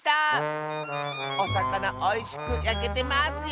おさかなおいしくやけてますよ。